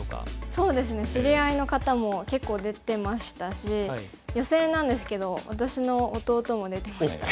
そうですね知り合いの方も結構出てましたし予選なんですけど私の弟も出てました。